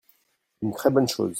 une très bonne chose.